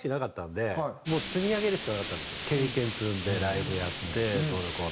僕ら経験積んでライブやってどうのこうの。